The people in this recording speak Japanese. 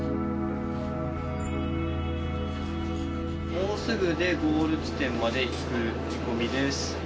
もうすぐでゴール地点まで着く見込みです。